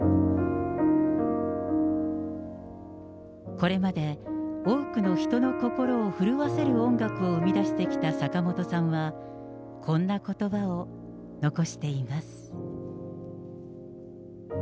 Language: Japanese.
これまで多くの人の心を震わせる音楽を生み出してきた坂本さんは、こんなことばを残しています。